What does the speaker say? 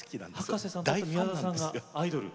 葉加瀬さんにとって宮沢さんがアイドル。